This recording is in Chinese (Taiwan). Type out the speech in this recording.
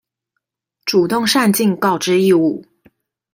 主動善盡告知義務